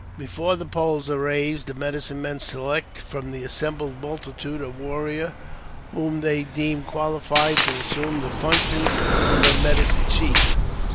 Before the poles are raised, the medicine mefll select from the assembled multitude a warrior whom they deei?f qualified to assume the functions of a medicine chief.